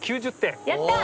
やった！